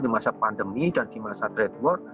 di masa pandemi dan di masa trade war